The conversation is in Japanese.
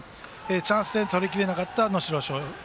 チャンスで取り切れなかった能代松陽。